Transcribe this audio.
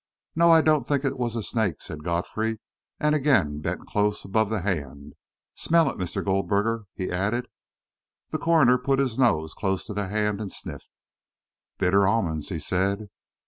"No, I don't think it was a snake," said Godfrey, and again bent close above the hand. "Smell it, Mr. Goldberger," he added. The coroner put his nose close to the hand and sniffed. "Bitter almonds!" he said.